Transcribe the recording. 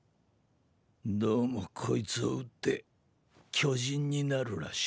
どうもこいつを打って巨人になるらしいな。